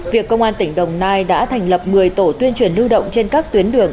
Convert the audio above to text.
việc công an tỉnh đồng nai đã thành lập một mươi tổ tuyên truyền lưu động trên các tuyến đường